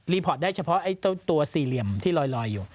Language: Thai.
พอร์ตได้เฉพาะตัวสี่เหลี่ยมที่ลอยอยู่